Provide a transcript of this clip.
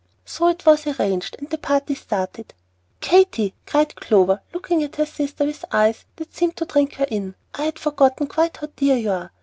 So it was arranged, and the party started. "Katy," cried Clover, looking at her sister with eyes that seemed to drink her in, "I had forgotten quite how dear you are!